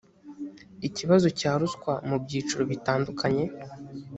ikibazo cya ruswa mu byiciro bitandukanye